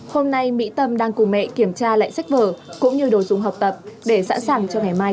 hôm nay mỹ tâm đang cùng mẹ kiểm tra lại sách vở cũng như đồ dùng học tập để sẵn sàng cho ngày mai